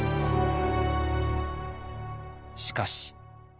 しかし。